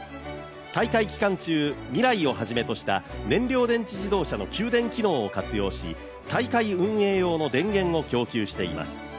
大会期間中、ＭＩＲＡＩをはじめとした燃料電池自動車の給電機能を活用し大会運営用の電源を供給しています。